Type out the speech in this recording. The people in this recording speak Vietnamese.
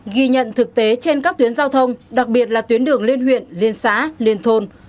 ghi nhận thực tế trên các tuyến giao thông đặc biệt là tuyến đường lên huyện lên xã lên thôn